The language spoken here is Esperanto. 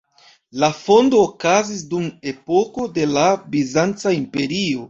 La fondo okazis dum epoko de la Bizanca Imperio.